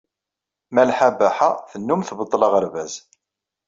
Malḥa Baḥa tennum tbeṭṭel aɣerbaz.